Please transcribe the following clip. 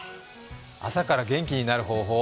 朝から元気になる方法？